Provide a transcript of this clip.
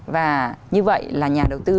và như vậy là nhà đầu tư